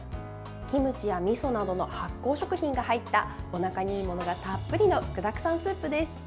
キムチやみそなどの発酵食品が入ったおなかにいいものがたっぷりの具だくさんスープです。